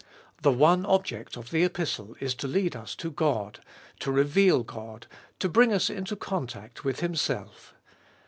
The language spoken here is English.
The one object of the Epistle is to lead us to God, to reveal God, to bring us into contact with Himself.